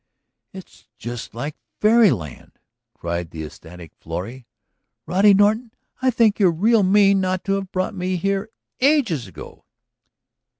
"It's just like fairy land!" cried the ecstatic Florrie. "Roddy Norton, I think you're real mean not to have brought me here ages ago!"